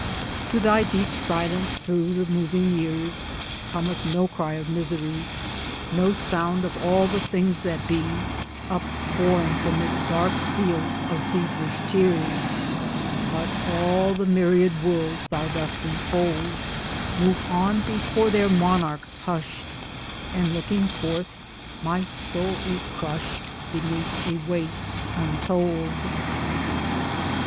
To thy deep silence through the moving years Cometh no cry of misery, No sound of all the things that be, Upborne from this dark field of feverish tears; But all the myriad worlds thou dost enfold Move on before their Monarch hushed, And, looking forth, my soul is crushed Beneath a weight untold.